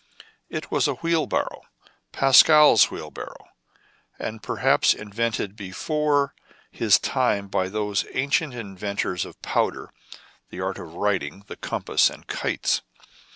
It was a wheelbarrow, — Pascal's wheelbarrow, — and perhaps invented before his time by those ancient inventors of powder, the art of writing, 132 TRIBULATIONS OF A CHINAMAN. the compass, and kites.